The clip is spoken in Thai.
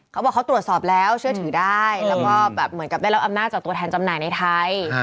เขาบอกเขาตรวจสอบแล้วเชื่อถือได้แล้วก็แบบเหมือนกับได้รับอำนาจจากตัวแทนจำหน่ายในไทย